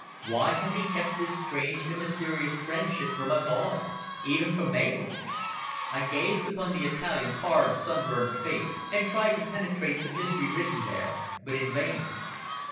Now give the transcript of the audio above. Why had he kept this strange and mysterious friendship from us all even from Mabel? I gazed upon the Italian's hard, sunburnt face and tried to penetrate the mystery written there, but in vain.